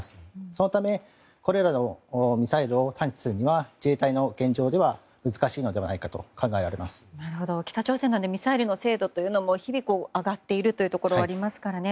そのため、これらのミサイルを探知するには自衛隊の現状では難しいのではないかと北朝鮮のミサイルの精度も日々上がっているというところがありますからね。